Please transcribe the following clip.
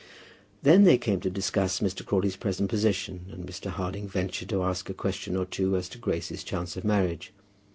Then they came to discuss Mr. Crawley's present position, and Mr. Harding ventured to ask a question or two as to Grace's chance of marriage.